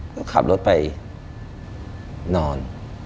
ก็ขับรถไปนอน